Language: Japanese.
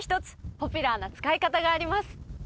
ポピュラーな使い方があります